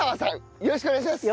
よろしくお願いします。